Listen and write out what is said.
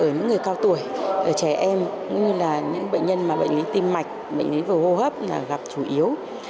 những bệnh nhân mà bệnh lý tim mạch bệnh lý vừa hô hấp là gặp chủ yếu